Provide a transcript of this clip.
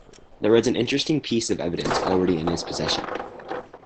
There was an interesting piece of evidence already in his possession.